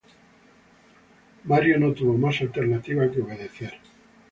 Mario no tuvo más alternativa que obedecer.